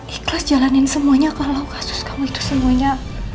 ikhlas jalanin semuanya kalau kasus kamu itu semuanya